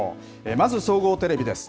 まず、総合テレビです。